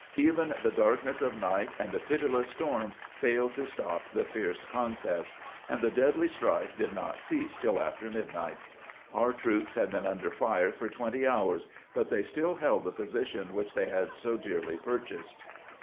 Even the darkness of night and the pitUess storm failed to stop the fierce contest, and the deadly strife did not cease till after midnight. Our troops had been under fire for twenty hours, but they still held the posi tion which they had so dearly purchased.